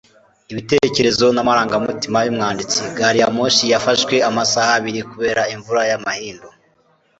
inyandiko yerekana ibitekerezo n'amarangamutima y'umwanditsi. gari ya moshi yafashwe amasaha abiri kubera imvura y'amahindu